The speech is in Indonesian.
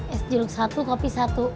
es jeruk satu kopi satu